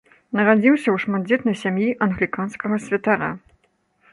Нарадзіўся ў шматдзетнай сям'і англіканскага святара.